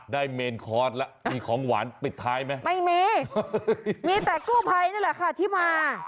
เมนคอร์สแล้วมีของหวานปิดท้ายไหมไม่มีมีแต่กู้ภัยนี่แหละค่ะที่มา